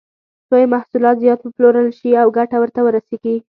څو یې محصولات زیات وپلورل شي او ګټه ورته ورسېږي.